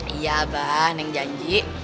iya abah nek janji